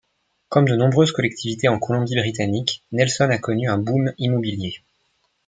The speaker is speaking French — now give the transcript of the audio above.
Comme de nombreuses collectivités en Colombie-Britannique, Nelson a connu un boom immobilier.